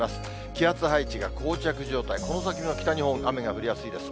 気圧配置がこう着状態、この先の北日本、雨が降りやすいです。